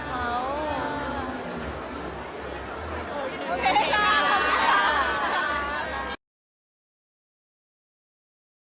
เค้าก็ดื้อ